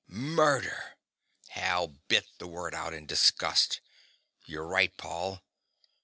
"Murder!" Hal bit the word out in disgust. "You're right, Paul.